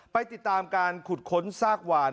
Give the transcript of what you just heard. ไปติดตามการขุดค้นซากหวาน